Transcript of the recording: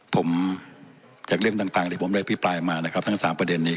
ผมจะเล่มต่างต่างที่ผมเรียกพี่ปลายมานะครับทั้งสามประเด็นนี้